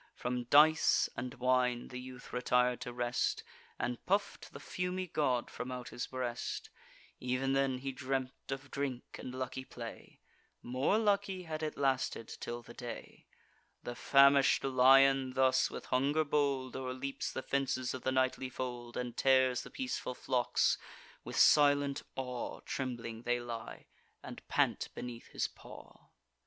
From dice and wine the youth retir'd to rest, And puff'd the fumy god from out his breast: Ev'n then he dreamt of drink and lucky play— More lucky, had it lasted till the day. The famish'd lion thus, with hunger bold, O'erleaps the fences of the nightly fold, And tears the peaceful flocks: with silent awe Trembling they lie, and pant beneath his paw.